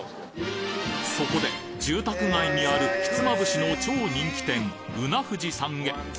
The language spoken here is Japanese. そこで住宅街にあるひつまぶしの超人気店、うな富士さんへ。